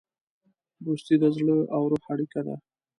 دوستي د زړه او روح اړیکه ده.